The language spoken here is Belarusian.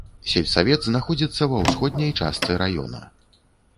Сельсавет знаходзіцца ва ўсходняй частцы раёна.